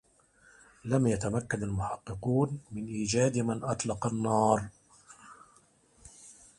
لم يتمكّن المحقّقون من إيجاد من أطلق النّار.